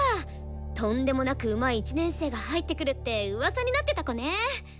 とんでもなくうまい１年生が入ってくるってうわさになってた子ね！